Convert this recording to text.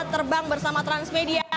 terbang bersama transmedia